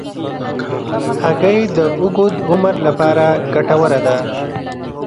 هګۍ د اوږد عمر لپاره ګټوره ده.